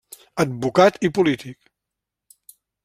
Advocat i polític.